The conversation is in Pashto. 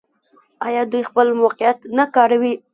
آیا دوی خپل موقعیت نه کاروي؟